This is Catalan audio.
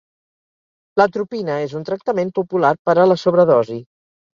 L'atropina és un tractament popular per a la sobredosi.